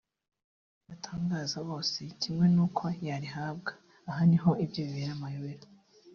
n’ubwo byatangaza bose kimwe n’uko yarihabwa (aha niho ibye bibera amayobera)